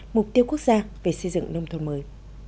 mục tiêu quốc gia về xây dựng nông thôn mới